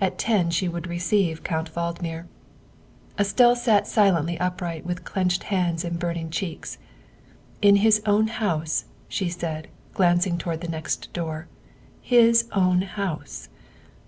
At ten she would receive Count Valdmir. Estelle sat suddenly upright with clinched hands and burning cheeks. " In his own house," she said, glancing towards the next door, " his own house."